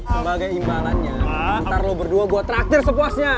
sebagai imbalannya ntar lo berdua buat traktir sepuasnya